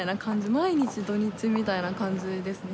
毎日土日みたいな感じですね